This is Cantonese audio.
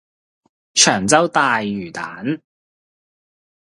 長洲大魚蛋